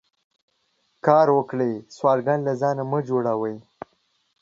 کار وکړئ سوالګر له ځانه مه جوړوئ